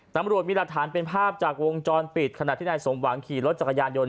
ตำรวจมีหลักฐานเป็นภาพจากวงจรปิดขณะที่นายสมหวังขี่รถจักรยานยนต